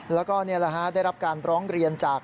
แล้วก็ได้รับการร้องเรียนจาก